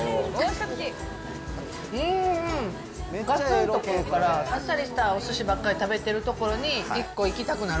がつんと来るから、あっさりしたおすしばっかり食べてるとこに、１個いきたくなる。